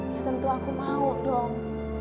ya tentu aku mau dong